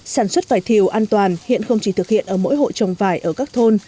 sản xuất vải thiều an toàn hiện không chỉ thực hiện ở mỗi hộ trồng vải ở các thôn